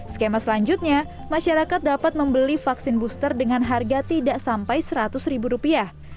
skema selanjutnya masyarakat dapat membeli vaksin booster dengan harga tidak sampai seratus ribu rupiah